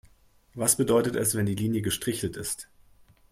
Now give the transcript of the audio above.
Was bedeutet es, wenn die Linie gestrichelt ist?